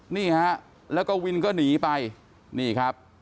นี่ฮะแล้วก็วินก็หนีไปนี่ครับ